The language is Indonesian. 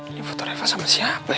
ini foto reva sama siapa ya